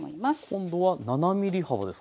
今度は７ｍｍ幅ですか？